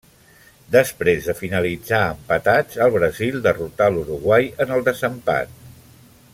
Després de finalitzar empatats, el Brasil derrotà l'Uruguai en el desempat.